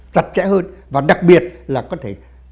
chặt chẽ hơn và đặc biệt là có thể